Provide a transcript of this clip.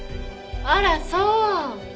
あらそう。